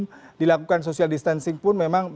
jadi kerugian apabila kami tidak bisa membawa penumpang